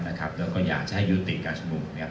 แล้วก็อยากจะให้ยูติกับผู้ชมุม